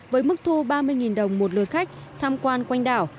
với mức thu ba mươi đồng một lượt khách tham quan quanh đảo